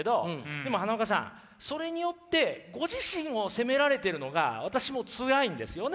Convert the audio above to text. でも花岡さんそれによってご自身を責められてるのが私もつらいんですよね。